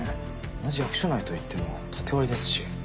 同じ役所内といっても縦割りですし。